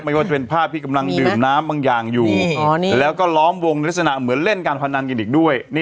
ว่าจะเป็นภาพที่กำลังดื่มน้ำบางอย่างอยู่แล้วก็ล้อมวงในลักษณะเหมือนเล่นการพนันกันอีกด้วย